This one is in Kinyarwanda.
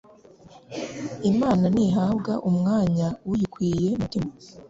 Imana nihabwa umwanya uyikwiye mu mutima,